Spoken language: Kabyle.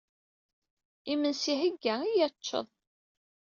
Imensi ihegga, iyya ad teččeḍ!